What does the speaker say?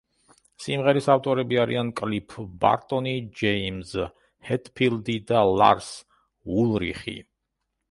სიმღერის ავტორები არიან კლიფ ბარტონი, ჯეიმზ ჰეტფილდი და ლარს ულრიხი.